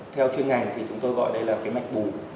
theo chuyên ngành thì chúng tôi gọi đây là cái mạch bú